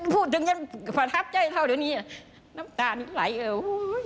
สนิทยังไม่ประทับใจเท่าเดี๋ยวน้ำตาฬ่ายเลย